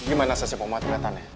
gimana sesepomah keliatannya